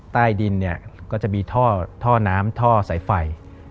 ใต้ดินเนี่ยก็จะมีท่อน้ำท่อสายไฟ